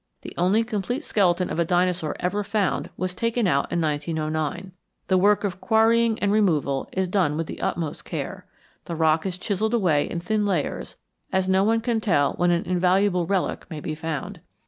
The only complete skeleton of a dinosaur ever found was taken out in 1909. The work of quarrying and removal is done with the utmost care. The rock is chiselled away in thin layers, as no one can tell when an invaluable relic may be found.